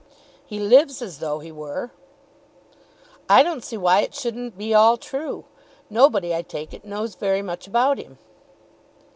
"He lives as though he were." "I don't see why it shouldn't be all true. Nobody, I take it, knows very much about him."